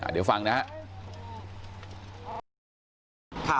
เดี๋ยวฟังนะครับ